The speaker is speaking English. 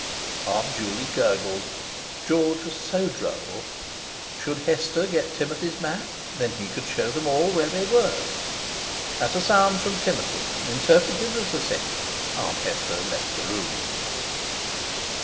Aunt Juley gurgled, George was so droll! Should Hester get Timothy's map? Then he could show them all where they were. At a sound from Timothy, interpreted as assent, Aunt Hester left the room.